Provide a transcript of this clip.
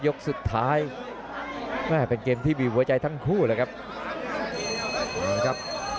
ยกสุดท้ายแม่เป็นเกมที่บีบหัวใจทั้งคู่เลยครับ